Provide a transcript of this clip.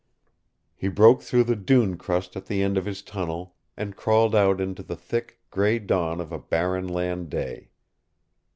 He broke through the dune crust at the end of his tunnel and crawled out into the thick, gray dawn of a barren land day.